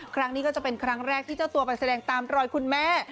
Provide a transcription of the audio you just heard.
ครั้งนี้ก็จะเป็นครั้งแรกที่เจ้าตัวไปแสดงตามรอยคุณแม่